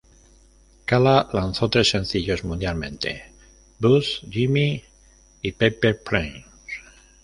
Kala lanzó tres sencillos mundialmente: "Boyz", "Jimmy" y "Paper Planes".